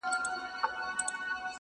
• د بادار په حلواګانو وي خوشاله -